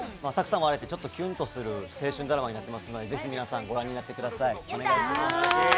たくさん笑えて、ちょっとキュンとする青春ドラマになっていますので、ぜひ皆さんご覧になってください。